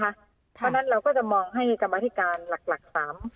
เพราะฉะนั้นเราก็จะมองให้กรรมธิการหลักสาม